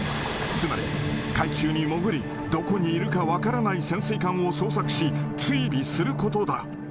つまり海中に潜り、どこにいるか分からない潜水艦を捜索し、追尾することだ。